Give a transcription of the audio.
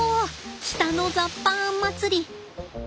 北のザッパン祭り。